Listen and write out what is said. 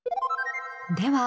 では